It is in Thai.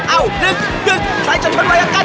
เอ้าหนึ่งใครจะชนไว้กัน